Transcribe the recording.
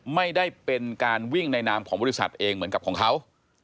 ไม่ได้เป็นการวิ่งในนามของบริษัทเองเหมือนกับของเขา